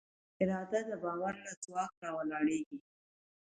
اراده د باور له ځواک راولاړېږي.